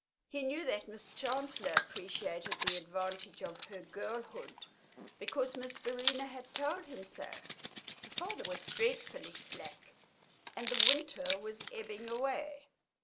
He knew that Miss Chancellor appreciated the advantage of her girlhood, because Miss Verena had told him so. Her father was dreadfully slack, and the winter was ebbing away.